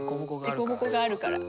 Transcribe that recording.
でこぼこがあるから。